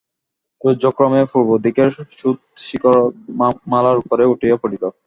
সূর্য ক্রমে পূর্বদিকের সৌধশিখরমালার উপরে উঠিয়া পড়িল।